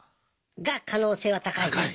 が可能性は高いね。